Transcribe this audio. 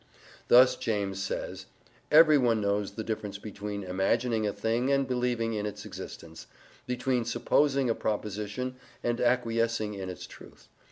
Thus James says: "Everyone knows the difference between imagining a thing and believing in its existence, between supposing a proposition and acquiescing in its truth...